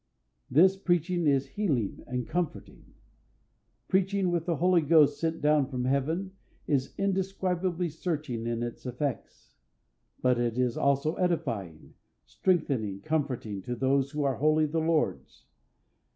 4. This preaching is healing and comforting. Preaching "with the Holy Ghost sent down from Heaven" is indescribably searching in its effects. But it is also edifying, strengthening, comforting to those who are wholly the Lord's.